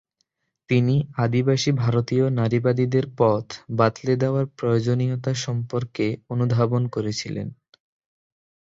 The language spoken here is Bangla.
তিনি আদিবাসী ভারতীয় নারীবাদীদের পথ বাতলে দেওয়ার প্রয়োজনীয়তা সম্পর্কে অনুধাবন করেছিলেন।